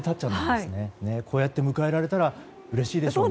こうやって迎えられたらうれしいでしょうね。